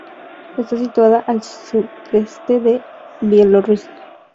Está situada al sudeste de Bielorrusia.